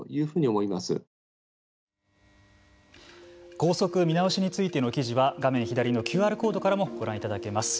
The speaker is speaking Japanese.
校則見直しについての記事は画面左のＱＲコードからもご覧いただけます。